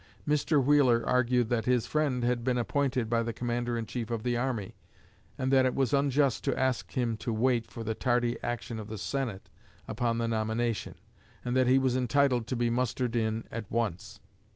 Mr. Wheeler argued that his friend had been appointed by the Commander in chief of the Army, and that it was unjust to ask him to wait for the tardy action of the Senate upon the nomination, and that he was entitled to be mustered in at once.